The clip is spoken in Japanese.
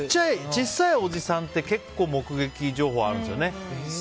小さいおじさんって結構目撃情報があるんですよね。